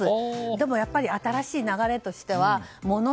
でもやっぱり新しい流れとしてはもの